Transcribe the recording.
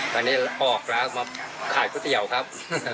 ตอนนี้ออกร้านมาขายก๋วยเตี๋ยวครับ